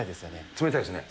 冷たいですね。